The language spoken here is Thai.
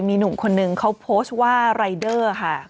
มีหนุ่มคนนึงเขาโพสต์ว่าไรด้อค่ะ